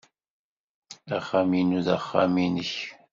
Axxam-inu d axxam-nnek.